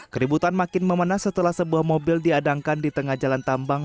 keributan makin memenas setelah sebuah mobil diadangkan di tengah jalan tambang